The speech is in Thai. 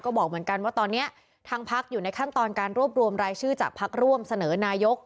ก็บอกเหมือนกันว่าตอนนี้ทางพักอยู่ในขั้นตอนการรวบรวมรายชื่อจากพักร่วมเสนอนายก